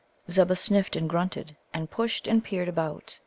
Zebbah sniffed and grunted, and pushed and peered about.